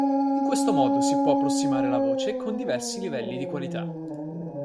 In questo modo si può approssimare la voce con diversi livelli di qualità.